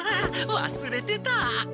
わすれてた！